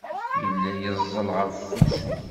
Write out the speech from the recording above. Yella yeẓẓel ɣef wusu.